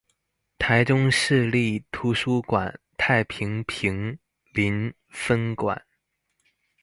臺中市立圖書館太平坪林分館